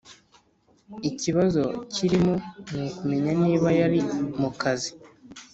Ikibazo kirimo ni ukumenya niba yari mu kazi